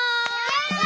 やった！